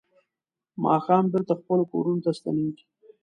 ماښام بېرته خپلو کورونو ته ستنېږي.